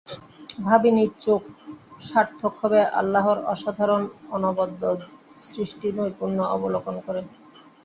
ভাবিনি চোখ সার্থক হবে আল্লাহর অসাধারণ, অনবদ্য সৃষ্টি নৈপুণ্য অবলোকন করে।